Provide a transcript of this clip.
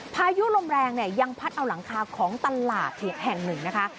พายุลมแรงเนี่ยยังพัดเอาหลังคาของตลาดอีกแห่งหนึ่งนะคะ